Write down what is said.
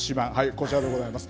こちらでございます。